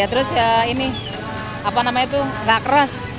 ya terus ya ini apa namanya tuh gak keras